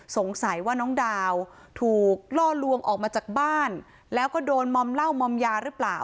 สงสัยว่าน้องดาวถูกล่อลวงออกมาจากบ้านแล้วก็โดนมอมเหล้ามอมยาหรือเปล่า